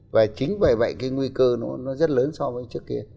và chính vì vậy cái nguy cơ nó rất lớn so với trước kia